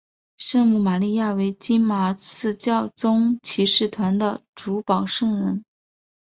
圣母玛利亚为金马刺教宗骑士团的主保圣人。